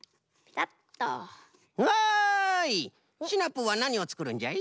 シナプーはなにをつくるんじゃい？